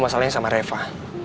masalahnya sama reva